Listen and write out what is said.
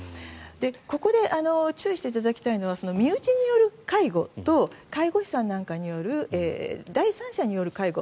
ここで注意していただきたいのは身内による介護と介護士さんなんかによる第三者による介護